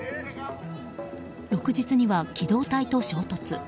翌日には機動隊と衝突。